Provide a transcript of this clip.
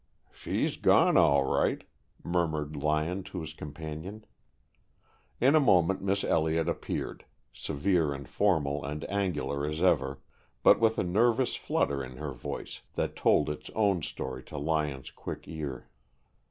"She's gone all right," murmured Lyon to his companion. In a moment Miss Elliott appeared, severe and formal and angular as ever, but with a nervous flutter in her voice that told its own story to Lyon's quick ear.